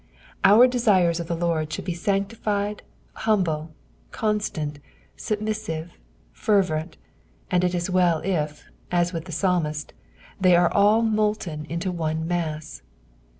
Our desires of the Lord ahould be ftanctifled, humble, constant, subinisuTe, fervent, and it is well if, OS with the psalmist, they are all molten into one mass.